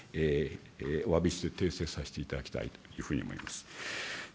おわびして訂正させていただきたいというふうに思います。